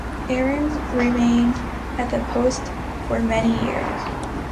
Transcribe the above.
Aarons remained at the "Post" for many years.